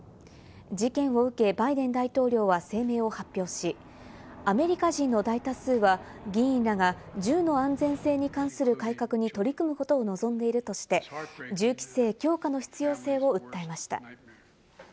事件を受けバイデン大統領は声明を発表し、アメリカ人の大多数は議員らが銃の安全性に関する改革に取り組むことを望んでいるとして、銃規制強化の必要性を訴えました。